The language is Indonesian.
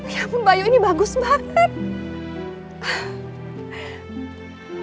ya ampun bayu ini bagus mbak